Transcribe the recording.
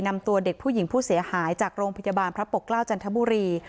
นำตัวเด็กผู้หญิงผู้เสียหายจากโรงพยาบาลพระปกเกล้าจันทบุรี